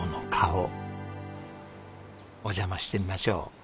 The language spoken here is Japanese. お邪魔してみましょう。